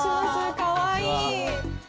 かわいい。